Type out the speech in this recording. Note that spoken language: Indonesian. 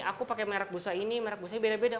aku pakai merk busa ini merk busanya beda beda